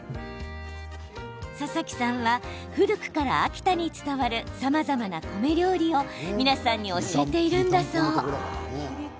佐々木さんは、古くから秋田に伝わるさまざまな米料理を皆さんに教えているんだそう。